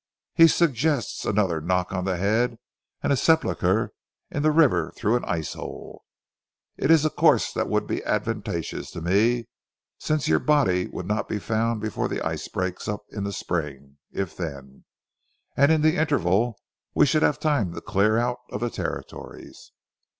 He suggests another knock on the head, and sepulchre in the river through an ice hole. It is a course that would be advantageous to me, since your body would not be found before the ice breaks up in the spring, if then, and in the interval we should have time to clear out of the Territories."